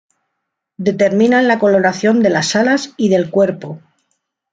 Determinan la coloración de las alas y del cuerpo.